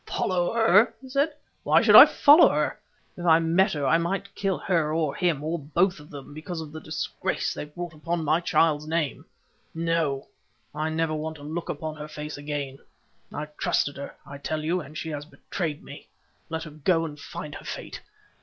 "Follow her!" he said; "why should I follow her? If I met her I might kill her or him, or both of them, because of the disgrace they have brought upon my child's name. No, I never want to look upon her face again. I trusted her, I tell you, and she has betrayed me. Let her go and find her fate.